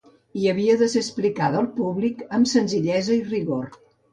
I havia de ser explicada al públic amb senzillesa i rigor.